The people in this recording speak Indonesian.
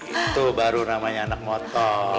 itu baru namanya anak motor